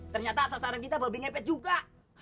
ternyata sasaran kita babi ngepet juga